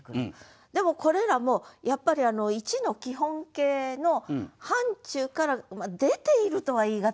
でもこれらもやっぱり一の基本形の範ちゅうから出ているとは言い難いでしょ。